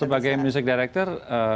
sebagai music director